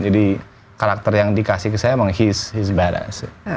jadi karakter yang dikasih ke saya emang he's badass